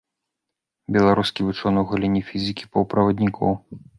Беларускі вучоны ў галіне фізікі паўправаднікоў.